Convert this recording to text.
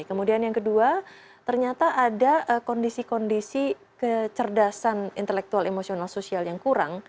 kemudian yang kedua ternyata ada kondisi kondisi kecerdasan intelektual emosional sosial yang kurang